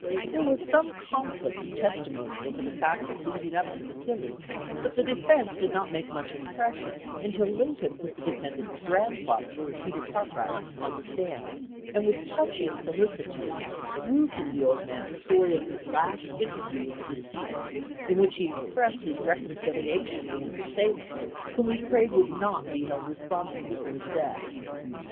There was some conflict of testimony over the facts leading up to the killing, but the defense did not make much impression until Lincoln put the defendant's grandfather, Peter Cartwright, on the stand, and with touching solicitude drew from the old man the story of his last interview with the deceased, in which he expressed his reconcilia tion with his assailant, whom he prayed would not be held responsible for his death.